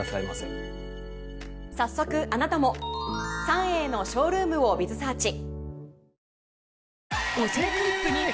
早速あなたもＳＡＮＥＩのショールームをｂｉｚｓｅａｒｃｈ。